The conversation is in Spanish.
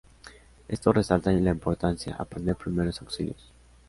Esto resalta la importancia aprender primeros auxilios.